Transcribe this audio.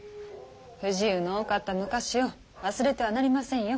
不自由の多かった昔を忘れてはなりませんよ。